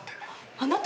あなた。